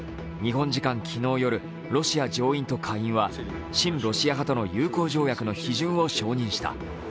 日本時間昨日夜、ロシア上院と下院は親ロシア派との友好条約の批准を承認した。